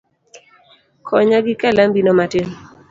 Konya gi kalambi no matin